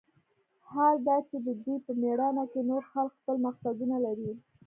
حال دا چې د دوى په مېړانه کښې نور خلق خپل مقصدونه لري.